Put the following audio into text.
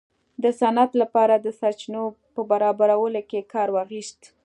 د صنعت لپاره د سرچینو په برابرولو کې کار واخیست.